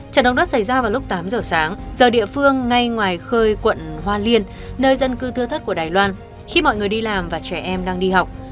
trận động đất xảy ra vào lúc tám giờ sáng giờ địa phương ngay ngoài khơi quận hoa liên nơi dân cư thưa thất của đài loan khi mọi người đi làm và trẻ em đang đi học